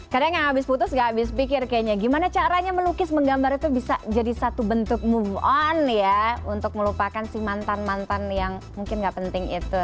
kadang yang habis putus gak habis pikir kayaknya gimana caranya melukis menggambar itu bisa jadi satu bentuk move on ya untuk melupakan si mantan mantan yang mungkin gak penting itu